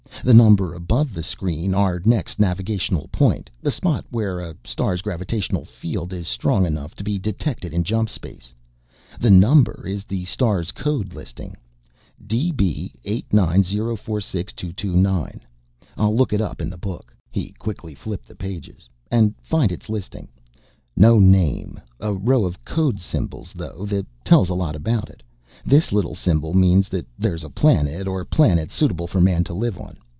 The number above the screen our next navigational point, the spot where a star's gravitational field it strong enough to be detected in jump space. The number is the star's code listing. DB89 046 229. I'll look it up in the book" he quickly flipped the pages "and find its listing. No name. A row of code symbols though that tell a lot about it. This little symbol means that there is a planet or planets suitable for man to live on.